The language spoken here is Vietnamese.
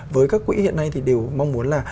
với các quỹ hiện nay thì đều mong muốn là